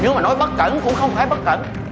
nhưng mà nói bất tẩn cũng không phải bất tẩn